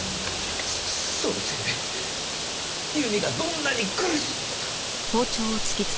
そのせいで由美がどんなに苦しんだか。